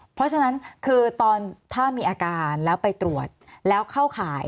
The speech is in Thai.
เพราะฉะนั้นคือตอนถ้ามีอาการแล้วไปตรวจแล้วเข้าข่าย